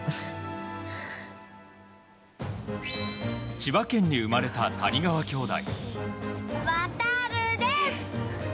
千葉県に生まれた谷川兄弟。